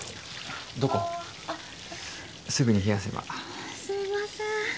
すぐに冷やせばすいません